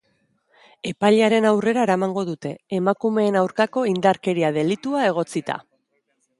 Epailearen aurrera eramango dute, emakumeen aurkako indarkeria delitua egotzita.